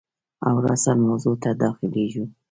او راساً موضوع ته داخلیږو.